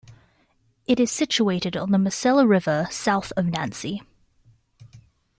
It is situated on the Moselle River, south of Nancy.